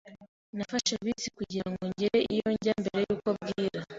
Nafashe bisi kugira ngo ngere iyo njya mbere yuko bwira.